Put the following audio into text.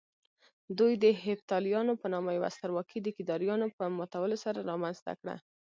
دوی د هېپتاليانو په نامه يوه سترواکي د کيداريانو په ماتولو سره رامنځته کړه